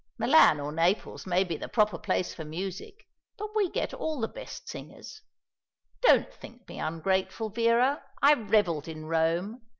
Milan or Naples may be the proper place for music; but we get all the best singers. Don't think me ungrateful, Vera. I revelled in Rome.